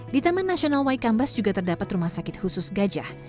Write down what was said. di taman nasional waikambas juga terdapat rumah sakit khusus gajah